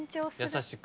優しく。